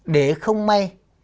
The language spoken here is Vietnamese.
để không may